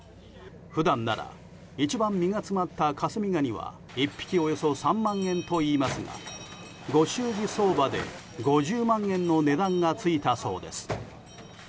普段なら一番身が詰まった香住ガニは１匹およそ３万円といいますがご祝儀相場で５０万円の値段が付いたそうです。